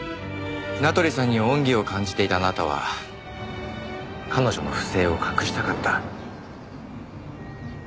名取さんに恩義を感じていたあなたは彼女の不正を隠したかった。